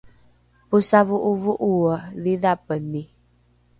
posavo’ovo’oe dhidhapeni